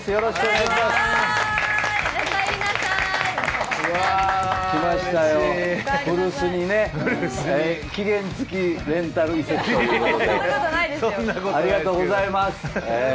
よろしくお願いします。